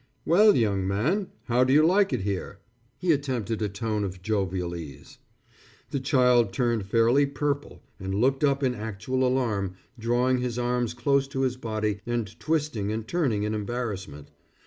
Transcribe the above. "Well, young man, how do you like it here?" He attempted a tone of jovial ease. The child turned fairly purple and looked up in actual alarm, drawing his arms close to his body and twisting and turning in embarrassment.